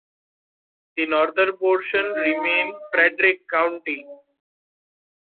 The northern portion remained Frederick County.